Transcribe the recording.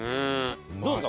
どうですか？